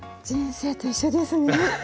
人生と一緒ですね